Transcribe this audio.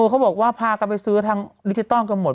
เขาบอกว่าพากันไปซื้อทางดิจิทัลกันหมด